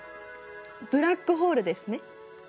ブラックホールですね。